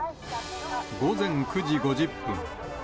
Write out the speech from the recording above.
午前９時５０分。